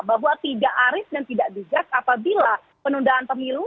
bahwa tidak aris dan tidak bijak apabila penundaan pemilu